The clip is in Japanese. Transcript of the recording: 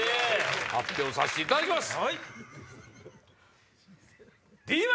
発表させていただきます。